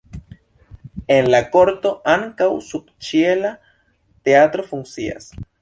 En la korto ankaŭ subĉiela teatro funkcias.